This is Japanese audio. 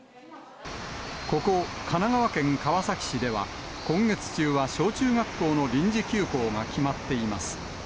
ここ神奈川県川崎市では、今月中は小中学校の臨時休校が決まっています。